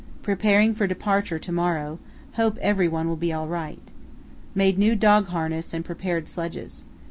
Preparing for departure to morrow; hope every one will be all right. Made new dog harness and prepared sledges.